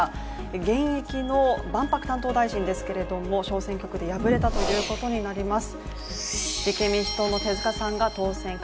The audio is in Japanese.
現役の万博担当大臣ですけれども、小選挙区で敗れたということになります。